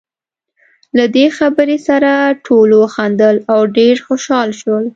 له دې خبرې سره ټولو وخندل، او ډېر خوشاله شول.